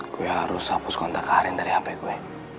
gue harus hapus kontak aren dari hp gue